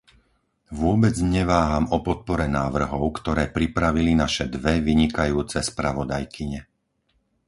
Vôbec neváham o podpore návrhov, ktoré pripravili naše dve vynikajúce spravodajkyne.